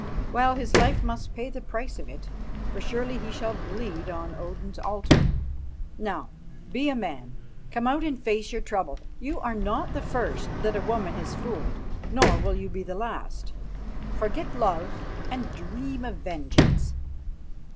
Well, his life must pay the price of it, for surely he shall bleed on Odin's altar. Now, be a man. Come out and face your trouble. You are not the first that a woman has fooled, nor will you be the last. Forget love and dream of vengeance."